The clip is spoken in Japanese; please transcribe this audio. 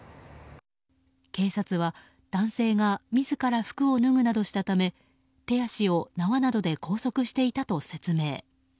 警察は男性が自ら服を脱ぐなどしたため手足を縄などで拘束していたと説明。